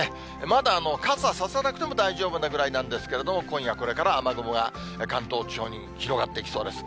まだ傘差さなくても大丈夫なぐらいなんですけれども、今夜これから、雨雲が関東地方に広がっていきそうです。